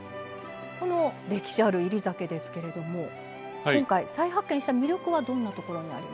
この歴史ある煎り酒ですけれども今回再発見した魅力はどんなところにありますか？